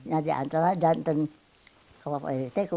jadi antara datang ke bapak iri tegu